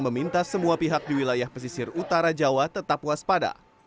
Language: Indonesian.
meminta semua pihak di wilayah pesisir utara jawa tetap waspada